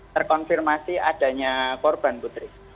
terkonfirmasi adanya korban putri